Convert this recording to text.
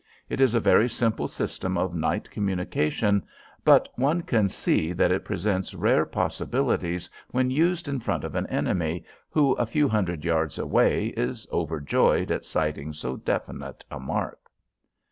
It is a very simple system of night communication, but one can see that it presents rare possibilities when used in front of an enemy who, a few hundred yards away, is overjoyed at sighting so definite a mark.